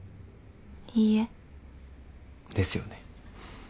いいえ。ですよね。